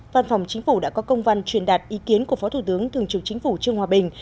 văn phòng chính phủ đã có công văn truyền đạt ý kiến của phó thủ tướng thường trưởng chính phủ trương hòa bình